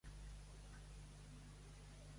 Arriba un mosquit ara que me'n vaig a fer nonetes.